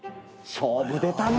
勝負出たね。